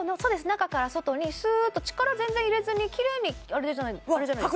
中から外にスーっと力全然入れずにキレイにあれじゃないです？